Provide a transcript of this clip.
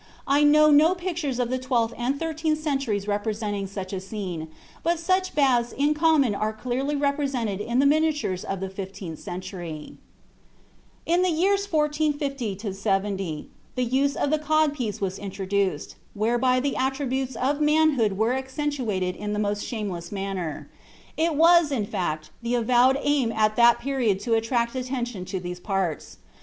I know no pictures of the twelfth and thirteenth centuries representing such a scene, but such baths in common are clearly represented in miniatures of the fifteenth century." (A. Schultz, Das Höfische Leben zur Zeit der Minnesänger, vol. i, p. 225.) "In the years 1450 70, the use of the cod piece was introduced, whereby the attributes of manhood were accentuated in the most shameless manner. It was, in fact, the avowed aim at that period to attract attention to these parts.